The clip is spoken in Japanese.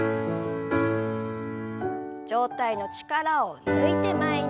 上体の力を抜いて前に。